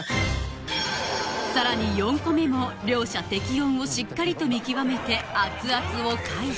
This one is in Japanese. さらに４個目も両者適温をしっかりと見極めて熱々を回避